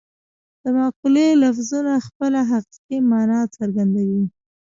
د مقولې لفظونه خپله حقیقي مانا څرګندوي